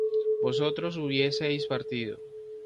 vosotros hubieseis partido